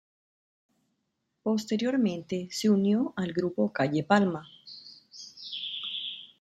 Posteriormente se unió al grupo Calle Palma.